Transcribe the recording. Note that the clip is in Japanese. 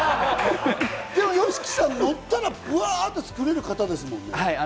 ＹＯＳＨＩＫＩさん、のったらブワっと作れる方ですもんね。